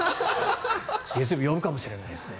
月曜日呼ぶかもしれないですね。